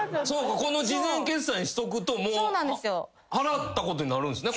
この事前決済にしとくと払ったことになるんすね